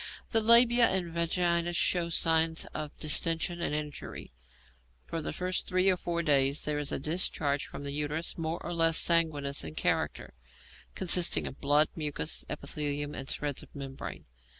The labia and vagina show signs of distension and injury. For the first three or four days there is a discharge from the uterus more or less sanguineous in character, consisting of blood, mucus, epithelium, and shreds of membrane.